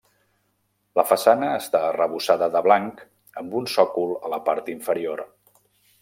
La façana està arrebossada de blanc amb un sòcol a la part inferior.